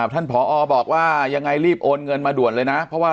ท่านผอบอกว่ายังไงรีบโอนเงินมาด่วนเลยนะ